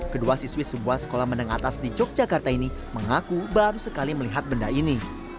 kedua siswi sebuah sekolah menengah atas di yogyakarta ini mengaku baru sekali melihat benda ini